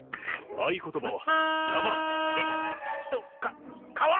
合言葉は？